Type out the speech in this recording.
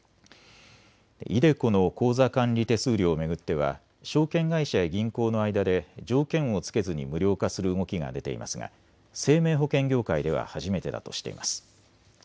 ｉＤｅＣｏの口座管理手数料を巡っては証券会社や銀行の間で条件を付けずに無料化する動きが出ていますが生命保険業界では初めてだとしています。